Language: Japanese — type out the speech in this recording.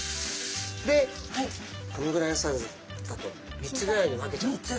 でこのぐらいのサイズだと３つぐらいに分けちゃうんですね。